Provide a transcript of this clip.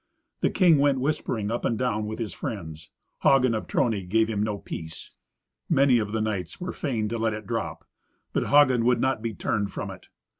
The king went whispering up and down with his friends. Hagen of Trony gave him no peace. Many of the knights were fain to let it drop, but Hagen would not be turned from it.